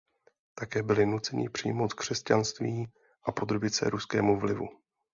Také byli nuceni přijmout křesťanství a podrobit se ruskému vlivu.